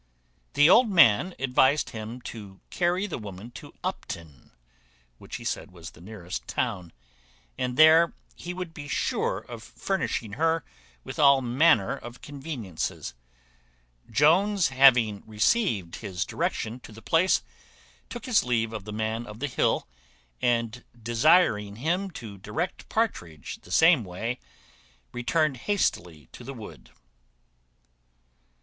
The old man advised him to carry the woman to Upton, which, he said, was the nearest town, and there he would be sure of furnishing her with all manner of conveniencies. Jones having received his direction to the place, took his leave of the Man of the Hill, and, desiring him to direct Partridge the same way, returned hastily to the wood.